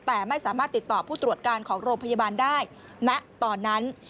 แต่ไม่สามารถติดต่อผู้ตรวจการของโรงพยาบาลได้ณตอนนั้น